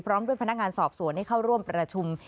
พร้อมด้วยพนักงานสอบสวนให้เข้าร่วมประชุม